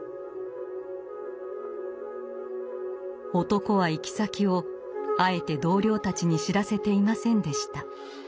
男は行き先をあえて同僚たちに知らせていませんでした。